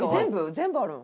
全部あるん？